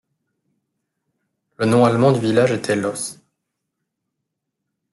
Le nom allemand du village était Lohs.